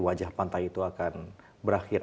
wajah pantai itu akan berakhir